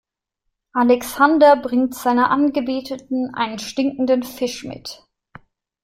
Alexander bringt seiner Angebeteten einen stinkenden Fisch mit.